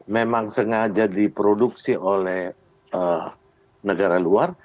memang sengaja diproduksi oleh negara luar